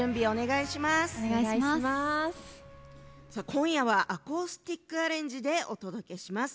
今夜はアコースティックアレンジでお届けします。